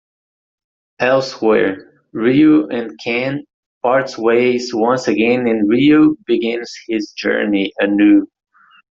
Elsewhere, Ryu and Ken part ways once again and Ryu begins his journey anew.